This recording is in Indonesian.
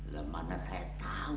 lah mana saya tau